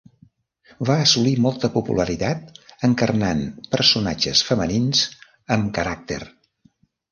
Va assolir molta popularitat encarnant personatges femenins amb caràcter.